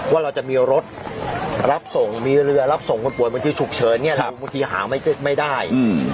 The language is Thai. ว่าเราจะมีรถรับส่งมีเรือรับส่งคนป่วยบางทีฉุกเฉินเนี่ยเราบางทีหาไม่ได้